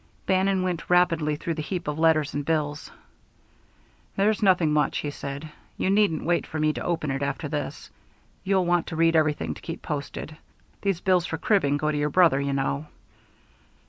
Bannon went rapidly through the heap of letters and bills. "There's nothing much," he said. "You needn't wait for me to open it after this. You'll want to read everything to keep posted. These bills for cribbing go to your brother, you know."